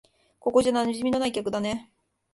ここじゃ馴染みのない客だね。